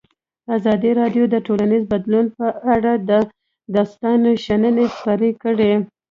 ازادي راډیو د ټولنیز بدلون په اړه د استادانو شننې خپرې کړي.